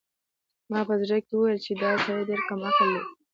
ما په زړه کې وویل چې دا سړی ډېر کم عقل دی.